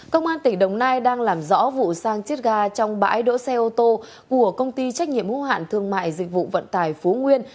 công an tỉnh đồng nai đang làm rõ vụ sang chiết ga trong bãi đỗ xe ô tô của công ty trách nhiệm hữu hạn thương mại dịch vụ vận tải phú nguyên